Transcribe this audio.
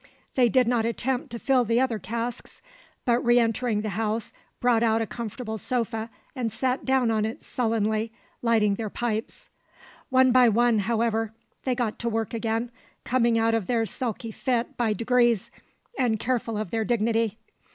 They did not attempt to fill the other casks, but re entering the house brought out a comfortable sofa and sat down on it sullenly, lighting their pipes. One by one, however, they got to work again, coming out of their sulky fit by degrees, and careful of their dignity.